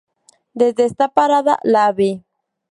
Desde esta parada la Av.